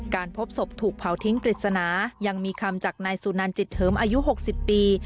พบศพถูกเผาทิ้งปริศนายังมีคำจากนายสุนันจิตเทิมอายุ๖๐ปี